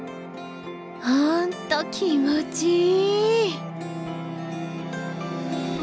ほんと気持ちいい！